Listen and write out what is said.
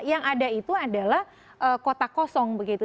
yang ada itu adalah kota kosong begitu